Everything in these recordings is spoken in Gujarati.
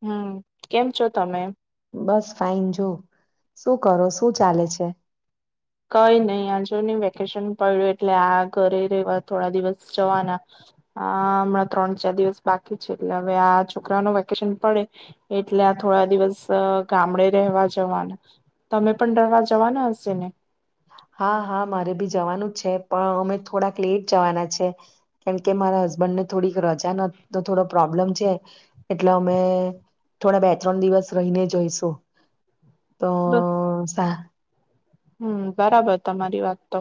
હમ્મ, કેમ છો તમે? બસ ફાઇન જો, શું કરો, શું ચાલે છે? કઈ નહી આ જો ની વેકેશન પડ્યું એટલે આ ઘરે રવા થોડા દિવસ જવાના અ હમણાં ત્રણ ચાર દિવસ બાકી છે એટલે હવે આ છોકરા નુ વેકેશન પડે એટલે આ થોડા દિવસ ગામડે રેવા જવાના. તમે પણ રહેવા જવાના હશે ને? હા હા મારે ભી જવાનું જ છે. પણ અમે થોડાક લેટ જવાના છે. કેમકે મારા હસબન્ડ ને થોડીક રજા ન તો થોડો પ્રોબ્લેમ છે એટલે અમે થોડા બે ત્રણ દિવસ રહીને જઈશું. તો સા હમ્મ, બરાબર તમારી વાત તો.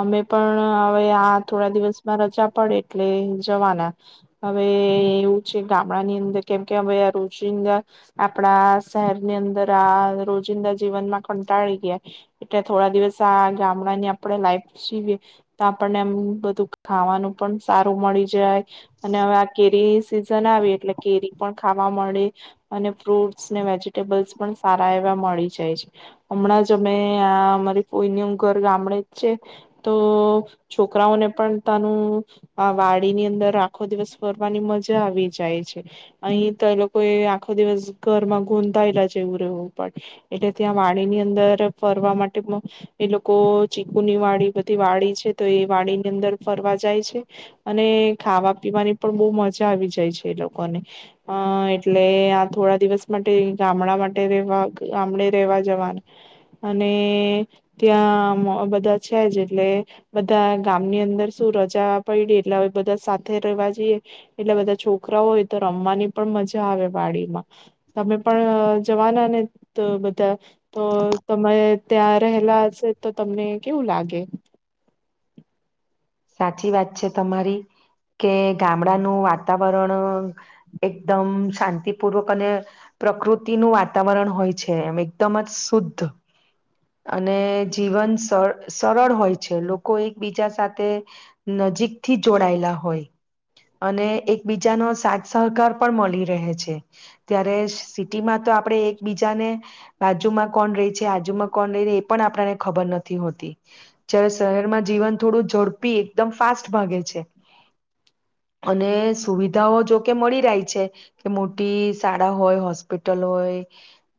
અમે પણ હવે આ થોડા દિવસમાં રજા પડે એટલે જવાના. હવે એવું છે ગામડા ની અંદર કેમ કે હવે આ રોજિંદા આપડા શહેરની અંદર આ રોજિંદા જીવનમાં કંટાળી ગયા એટલે થોડા દિવસ આ ગામડાની આપણે લાઈફ જીવીએ. તો આપણને એમ બધું ખાવાનું પણ સારું મળી જાય અને હવે આ કેરી સિઝન આવે એટલે કેરી પણ ખાવા મળે અને ફ્રૂટસ ને વેજીિટેબલ્સ પણ સારા એવા મળી જાય છે. હમણાં જ અમે અમારી કોઈનેમ ઘર ગામડે જ છે તો છોકરાઓને પણ તાનું વાડીની અંદર આખો દિવસ ફરવાની મજા આવી જાય છે. અહી તો એ લોકો એ આખો દિવસ ઘરમાં ગૂંધાયેલા જેવું રહેવું પણ એટલે ત્યાં વાડી ની અંદર ફરવા માટે એ લોકો ચીકુની વાડી બધી વાડી છે. તો એ વાડીની અંદર ફરવા જાય છે અને ખાવા પીવાની પણ બહુ મજા આવી જાય છે એ લોકોને. અ એટલે આ થોડા દિવસ માટે ગામડા માટેવા ગામડે રેવા જવાના. અને ત્યાં બધા છે જ એટલે, બધા ગામની અંદર શું રજા પડી એટલે હવે બધા સાથે રવા જઈએ, એટલે બધા છોકરાઓ હોય તો રમવાની પણ મજા આવે વાડીમાં, તમે પણ જવાના ને બધા, તો તમે ત્યાં રહેલા હશે તો તમને કેવું લાગે? સાચી વાત છે તમારી, કે ગામડાનું વાતાવરણ, એકદમ શાંતિપૂર્વક અને, પ્રકૃતિનું વાતાવરણ હોય છે, એમ એકદમ જ શુદ્ધ, અને જીવન સરળ હોય છે લોકો એકબીજા સાથે નજીકથી જોડાયેલા હોય અને એકબીજાનો સાથ સહકાર પણ મળી રહે છે, ત્યારે સિટીમાં તો આપડણે એકબીજાને, બાજુમાં કોણ રહી છે આજુમાં કોણ રહી એ પણ આપણને ખબર નથી હોતી, જય્યારે શહેરમાં જીવન થોડુંડ પી એકદમ ફાસ્ટ ભાગે છે. અને સુવિધાઓ જોકે મળી રહી છે, કે મોટી શાળા હોય હોસ્પિટલ હોય,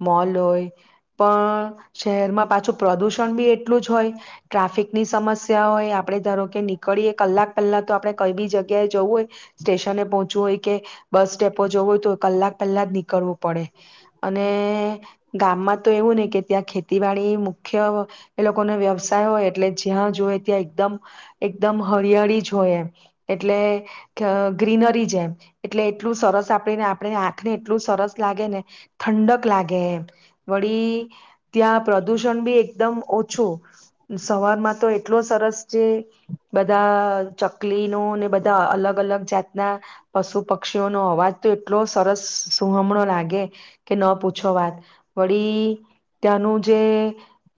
મોલ હોય, પણ શહેરમાં પાછું પ્રદુષણ બી એટલું જ હોય, ટ્રાફિકની સમસ્યા હોય આપડ ધારો કે નીકળીએ કલાક પહેલા તો આપણે કઈ બી જગ્યાએ જવું હોય, સ્ટેશને પોહોંચવું હોય કે બસ સ્ટેપો જવું હોય તો કલાક પહેલા જ નીકળવું પડે, અને ગામમાં તો એવું ને કે ત્યાં ખેતીવાડી મુખ્ય, એ લોકોનો વ્યવસાય હોય એટલે જ્યાં જોય ત્યાં એકદમ એકદમ હરિયાળી જ હોય, એમ એટલે ગ્રીનરી જ એમ એટલે એટલું સરસ આપણેને આપણે આંખને એટલું સરસ લાગે ને, ઠંડક લાગે એમ, વળી ત્યાં પ્રદુષણ બી એકદમ ઓછું, સવારમાં તો એટલો સરસ છે બધા ચકલી ન ને બધા અલગ અલગ જાતના, પશુ પક્ષીઓનો અવાજ તો એટલો સરસ સુહમણો લાગે, કે ન પૂછો વાત વળી ત્યાંનું જે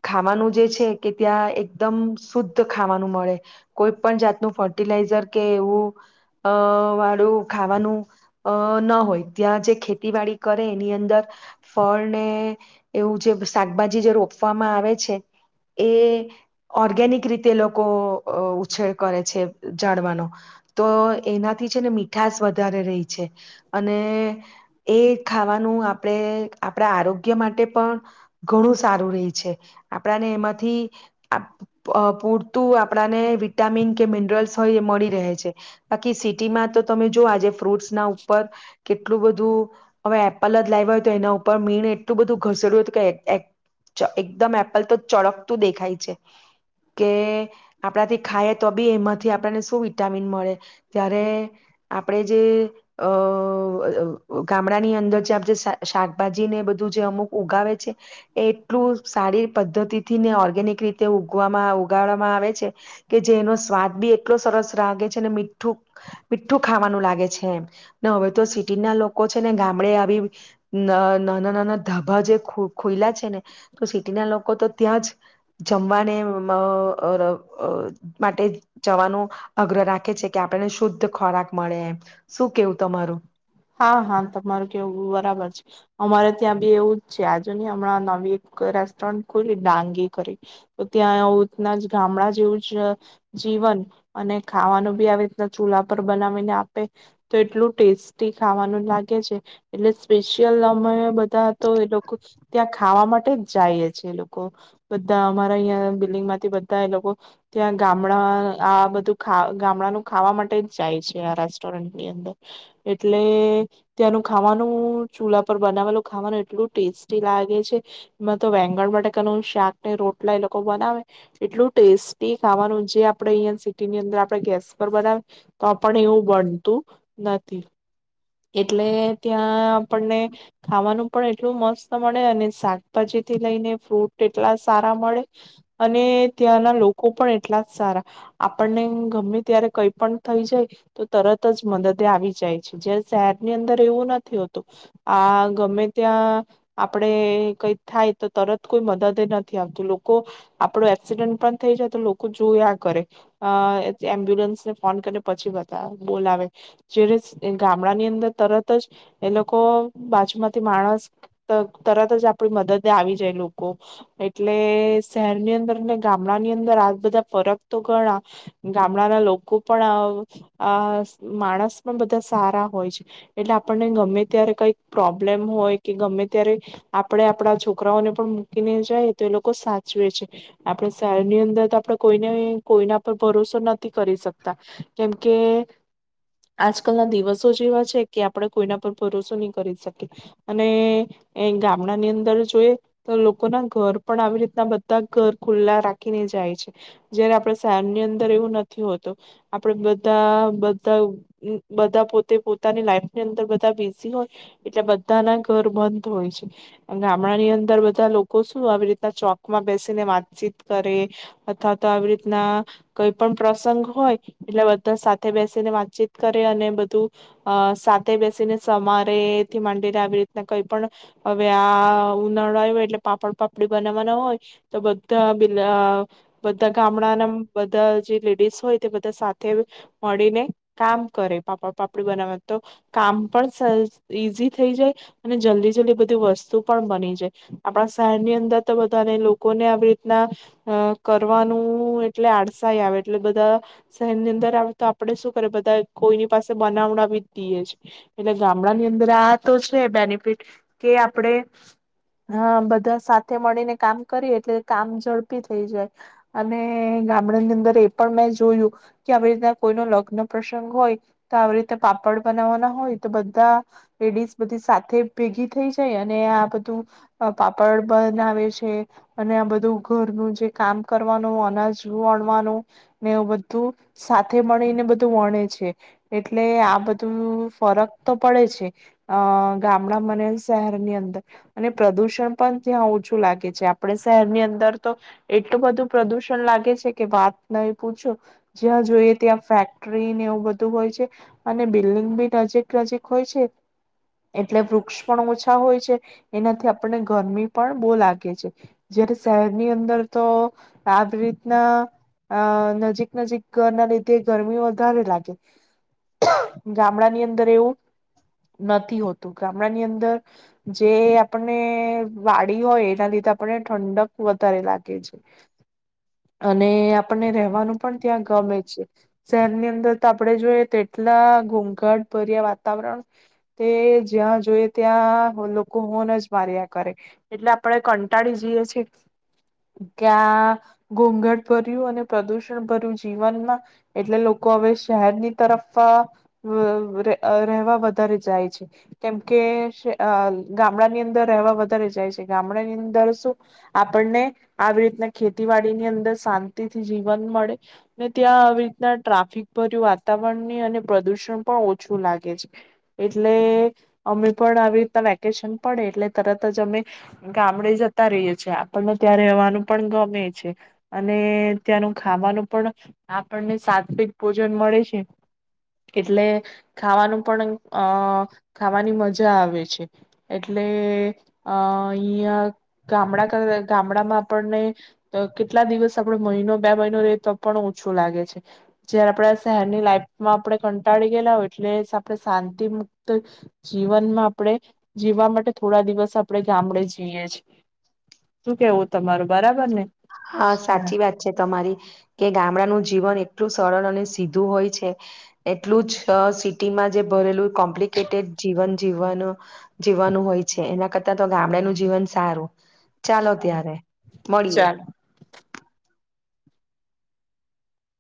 ખાવાનું જે છે કે ત્યાં એકદમ શુદ્ધ ખાવાનું મળે. કોઈ પણ જાતનું ફર્ટિલાઈઝર કે એવું, અ વાળું ખાવાનું અ ન હોય, ત્યાં જે ખેતીવાડી કરે એની અંદર ફળ ને એવું જે શાકભાજી જે રોપવામાં આવે છે, એ ઓર્ગેનિક રીતે લોકો ઉછ કરે છે, જાળવાનો તો એનાથી છે ને મીઠાસ વધારે રહી છે, અને એ ખાવાનું આપણે આપણા આરોગ્ય માટે પણ, ઘણું સારું રે છે, આપણાને એમાંથી પૂરતું આપણાને વિટામિન કે મિનરલ્સ હોય એ મળી રહે છે, બાકી સિટીમાં તો તમે જોઓ આજે ફ્રૂટ્સ ના ઉપર, કેટલું બધું હવે એપલ જ લાવ્યા હોય તો એના ઉપર મીણ એટલું બધું ઘસેડ્યુંયું કે એકદમ એપલ તો ચળકતું દેખાય છે, કે આપણાથી ખએ તો બી એમાંથી આપણને શું વિટામિન મળે, ત્યારે આપણે જે અ ગામડા ની અંદર જે આપ શાકભાજી ને બધું જે અમુક ઉગાવે છે, એ એટલું સારી પદ્ધતિ થી ને ઓર્ગેનિક રીતે ઉગવામાં ઉગાડવામાં આવે છે. કે જે એનો સ્વાદ બી એટલો સરસ રાાગે છે ને મીઠું, મીઠું ખાવાનું લાગે છે એમ, ને હવે તો સિટીના લોકો છે ને ગામડે આવી, નાના નાના ધબા જે ખોયલા છે, ને તો સિટીના લોકો તો ત્યાં જ જમવાને માટે જવાનું, અગ્ર રાખે છે કે આપણને શુદ્ધ ખોરાક મળે એમ, શું કેવું તમારું. હા હા તમારું કેવું બરાબર છે, અમારે ત્યાં બી એવું જ છે આજુ નહી હમણાં નવી એક રેસ્ટોરન્ટ ખુલી ડાંગી કરી, તો ત્યાં એ રીતના જ ગામડા જેવું જ જીવન, અને ખાવાનું બી આવી રીતના ચૂલા પર બનાવીને આપે, તો એટલું ટેસ્ટ ખાવાનું લાગે છે, એટલે સ્પેશિયલ અમે બધા તો એ લોકો, ત્યાં ખાવા માટે જ જાયએ છે એ લોકો, બધા અમારા અહં બિલ્ડંગ માંથી બધા એ લોકો, ત્યાં ગામડા આ બધું ગામડાનું ખાવા માટે જ જાય છે આ રેસ્ટોરન્ટની અંદર. એટલે ત્યાંનું ખાવાનું ચૂલા પર બનાવેલું ખાવાનું એટલું ટેસ્ટી લાગે છે, એમાં તો વેંગણ માટેનું શાક ને રોટલા એ લોકો બનાવે, એટલું ટેસ્ટી ખાવાનું જે આપણે અહં સિટીની અંદર આપણે ગેસ પર બનાવે, તો પણ એવું બનતું નથી. એટલે ત્યાં આપણને, ખાવાનું પણ એટલું મસ્ત મળે અને શાકભાજીથી લઈને ફ્રૂટ એટલા સારા મળે, અને ત્યાંના લોકો પણ એટલા સારા, આપણને ગમે ત્યારે કઈ પણ થઈ જાય તો તરત જ મદદે આવી જાય છે, જ શહેરની અંદર એવું નથી હોતું, આ ગમે ત્યાં આપડે કઈ થાય તો તરત કોઈ મદદ નથી આવતું લોકો, આપડો એક્સિડન્ટ પણ થઈ જાય તો લોકો જોયા કરે, એમ્બ્યુલન્સને ફોન કરીને પછી બ બોલાવે, જ ગની અંદર તરત જ, એ લોકો બાજુમાંથી માણસ તરત જ આપડી મદદે આવી જાય લોકો, એટલે શહેરની અંદર ને ગામડા ની અંદર આ બધા ફરક તો ગણા, ગામડાના લોકો પણ માણસ પણ બધા સારા. હોય છે, એટલે આપણને ગમે ત્યારે કઈક પ્રોબ્લેમ હોય કે ગમે ત્યારે, આપણે આપડા છોકરાઓને પણ મૂકીને જાય તો એ લોકો સાચવે છે, આપણે શહેરની અંદર આપણે કોઈને કોઈના પર ભરોસો નથી કરી શકતા, કેમકે આજ કલ ના દિવસ આપણે કોઈના પર ભરોસો નહી કરી શકીએ, અને ગામડાની અંદર જોઈએ તો લોકોના ઘર પણ આવી રીતના બધા ઘર ખુલ્લા રાખીને જાય છે, જયારે આપડ શહેરની અંદર એવું નથી, હોતું આપડ બધાધ બધા પોતાની લાઈફની અંદર બધા બીઝી હોય, એટલે બધાના ઘર બંધ હોય છે, ગામડા ની અંદર બધા લોકો શું આવી રીતના ચોકમાં બેસીને વાતચીત કરે, અથવા તો આવી રીતના, કઈ પણ પ્રસંગ હોય એટલે બધા સાથે બેસીને વાતચીત કરે અને બધું અ સાથે બેસીને સમારેથી માંડીને આવી રીતના કઈ પણ, હવે આ ઉનાળો આવ હોય એટલે પાપડ પાપડી બનાવવાના હોય, તો બધા બધા ગામડા ના બધા જે લે હોય બધા સાથે, મળીને કામ કરે, પાપા પાપડી બનાવા તો, કામ પણ ઈઝી થઈ જાય, અને જલ્દી જલ્દી બધી વસ્તુ પણ બની જાય, આપણા શહેરની અંદર તો બધાને લોકોને આવી રીતના, અ કરવાનું એટલે આડસાાઈ આવે એટલે બધા, શહેરની અંદર આવે તો આપણેે શું કરે બધા કોઈની પાસે બનાવડવી દએ છે, એટલે ગામડાની અંદર આ તો છે બેનિફિટ કે આપણેે, બધા સાથે મળીને કામ કરીએ એટલે કામ ઝડપી થઈ જાય, અને ગામડાની અંદર એ પણ મેં જોયું, કે આવી રીતના કોઈ ન લગ્ન પ્રસંગ હોય તો આવી રીતે પાપડ બનાવવાના હોય તો બધા લેડીસ બધી સાથે ભેગી થઈ જાય અને આ બધું, પાપડ બનાવે છે અને આ બધું ઘરનું જે કામ કરવાનું અનાજ વણવાનું, ને બધું સાથે મળીને બધું વણે છે. એટલે આ બધું ફરક તો પડે છે, અ ગામડા મને શહેરની અંદર, અને પ્રદુષણ પણ ત્યાં ઓછું લાગે છે આપણે શહેરની અંદર તો, એટલું બધું પ્રદુષણ લાગે છે કે વાત નહી પૂછો, જ્યાં જોઈએ ત્યાં ફેક્ટરીને એવું બધું હોય છે. અને બિલ્ડિંગ બી નજીક નજીક હોય છે, એટલે વૃક્ષ પણ ઓછા હોય છે, એનાથી આપણને ગરમી પણ બહુ લાગે છે, જયારે શહેરની અંદર તો, આવી રીતના અ નજીક નજીક ના લીધે ગરમી વધારે લાગે. ગામડાની અંદર એવું નથી હોતું ગામડાની અંદર, જે આપણને વાડી હોય એના લીધે આપને ઠંડક વધારે લાગે છે, અને આપણને રહેવાનું પણ ત્યાં ગમે છે, શહેરની અંદર તો આપણે જોઈએ લા ઘોઘાટ ભર્યા વાતાવરણ, તે જ્યાં જોઈ ત્યાં લોકો હોન જ માર્યા કરે, એટલે આપણે કંટાળી જઈએ છીએ, ત્યાં ઘોઘાટ ભર્યું અને પ્રદુષણ ભર્યું જીવનમાં એટલે લોકો હવે શહેરની તરફ રહેવા વધારે જાય છે, કેમ કે ગામડાની અંદર રહેવા વધારે જાય છે, ગામડાની અંદર શું, આપણને આવી રીતના ખેતીવાડીની અંદર શાંતિથી જીવન મળે ને ત્યાં આવી રીતના ટ્રાફિક ભર્યું વાતાવરણ દૂષણ પણ ઓછું લાગે છે, એટલે અમે પણ આવી રીતના વેકેશન પડે એટલે તરત જ અમે, ગામડે જતા રહીએ છ છેએ આપણને ત્યાં રહેવાનું પણ ગમે છે, અને ત્યાંનું ખાવાનું પણ, આપણને સાત્વિક ભોજન મળે છે. એટલે, ખાવાનું પણ અ ખાવાની મજા આવે છે, એટલે અ અહયા ગામડા ગામડામાં આપણને, કેટલા દિવસ આપડ મહિનો બે મહિનો રે તો પણ ઓછો લાગે છે, જયારે આપણા શહેરની લાઈફ માં આપણે કંટાળી ગયેલા હોય એટલે આપણે શાંતિ મુક્ત, જીવનમાં આપણે જીવવા માટે થોડા દિવસ આપણે ગામડે જઈએ છે, શું કેવું તમારું બરાબર. ને? હા ચાલ સાચી વાત છે તમારી, કે ગામડાનું જીવન એટલું સરળ અને સીધું હોય છે એટલું જ સિટીમાં જે ભરેલું કોમ્પ્લિકેટેડ જીવન જીવન, જીવન હોય છે એના કરતાં તો ગામડાનું જીવન સારું. ચાલો ચાલ. ત્યારે, મળીએ. ચાલો.